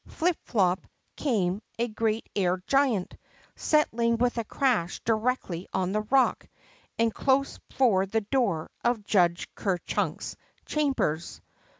Flip, flop came a great air giant, settling with a crash directly on the rock, and close before the door of Judge Ker Chunk's cham bers.